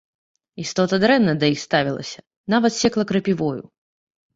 Істота дрэнна да іх ставілася, нават секла крапівою.